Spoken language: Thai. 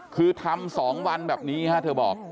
คือทำ๒วันแบบนี้ฮะเธอบอก